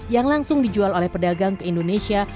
yang langsung dijual oleh pedagang ke indonesia